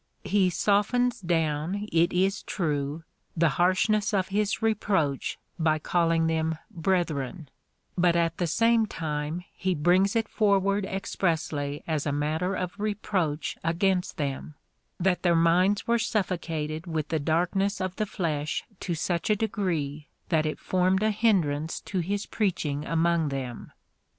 He softens down, it is true, the harshness of his rej)roach by calling them brethren, but at the same time he brings it forward exj)ressly as a matter of reproach against them, that their minds were suf focated with the darkness of the flesh to such a degree that it formed a hindrance to his preaching among them.